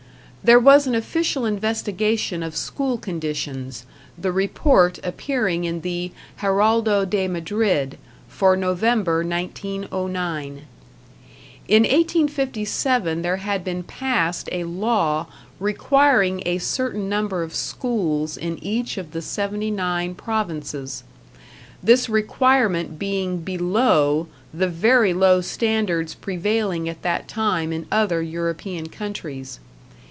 There was an official investigation of school conditions, the report appearing in the "Heraldo de Madrid" for November, 1909. In 1857 there had been passed a law requiring a certain number of schools in each of the 79 provinces: this requirement being below the very low standards prevailing at that time in other European countries.